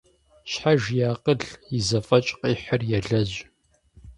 Щхьэж и акъыл, и зэфӀэкӀ къихьыр елэжь.